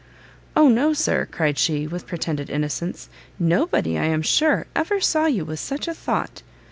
"O no, Sir," cried she, with pretended innocence, "nobody, I am sure, ever saw you with such a thought."